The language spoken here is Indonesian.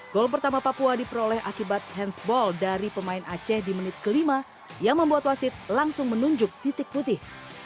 gol pertama papua diperoleh akibat handsball dari pemain aceh di menit ke lima yang membuat wasit langsung menunjuk titik putih